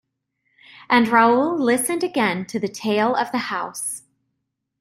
And Raoul listened again to the tale of the house.